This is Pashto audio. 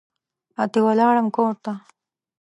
اتي ولاړم کورته